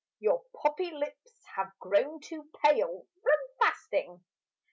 Your poppy lips have grown too pale From fasting.